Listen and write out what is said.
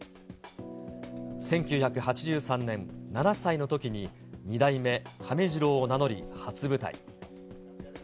１９８３年、７歳のときに二代目亀治郎を名乗り、初舞台。